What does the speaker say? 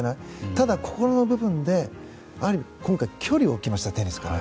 ただ心の部分で、ある意味今回、距離を置きましたテニスから。